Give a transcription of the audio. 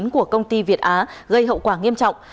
của công ty việt á gây hậu quả nghiêm trọng